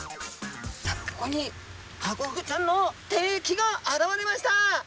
さあここにハコフグちゃんの敵が現れました。